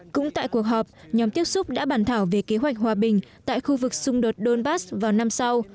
cũng tại cuộc họp nhóm tiếp xúc đã bàn thảo về kế hoạch hòa bình tại khu vực xung đột donbass vào năm sau